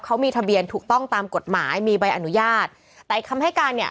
เขามีทะเบียนถูกต้องตามกฎหมายมีใบอนุญาตแต่คำให้การเนี่ย